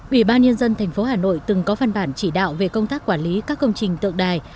ủy ban nhân dân tp hà nội từng có phân bản chỉ đạo về công tác quản lý các công trình tượng đài